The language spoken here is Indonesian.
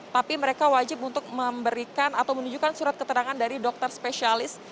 tapi mereka wajib untuk memberikan atau menunjukkan surat keterangan dari dokter spesialis